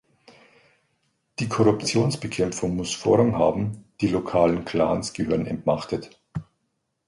Die Korruptionsbekämpfung muss Vorrang haben, die lokalen Clans gehören entmachtet!